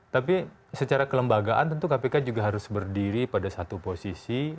tapi secara kelembagaan tentu kpk juga harus berdiri pada satu posisi